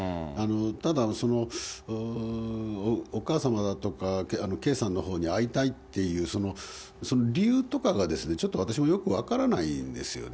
ただ、お母様だとか、圭さんのほうに会いたいっていう、その理由とかが、ちょっと私もよく分からないんですよね。